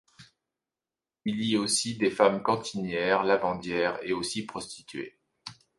Il y aussi des femmes, cantinières, lavandières et aussi prostituées.